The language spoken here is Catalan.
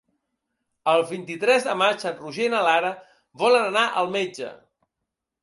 El vint-i-tres de maig en Roger i na Lara volen anar al metge.